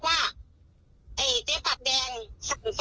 โอ้โหคุณหนูพูดจริงนะหนูนี่ยังไงหนูก็ไม่ได้เป็นผู้นำค่ะ